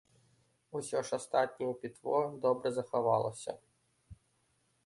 Усё ж астатняе пітво добра захавалася.